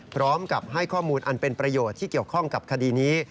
พร้อมกับให้ข้อมูลอันเป็นประโยชน์ที่เกี่ยวข้องกับคดีนี้